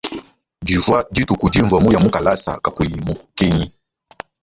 Divwa dituku dinvwa muya mukalasa kakuyi mukenyi.